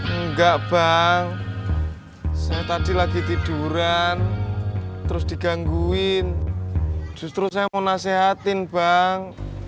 enggak bang saya tadi lagi tiduran terus digangguin justru saya mau nasehatin bang